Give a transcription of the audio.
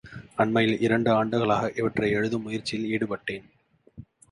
அண்மையில் இரண்டு ஆண்டுகளாக இவற்றை எழுதும் முயற்சியில் ஈடுபட்டேன்.